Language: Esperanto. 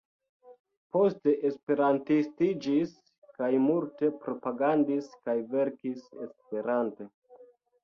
Poste Esperantistiĝis kaj multe propagandis kaj verkis Esperante.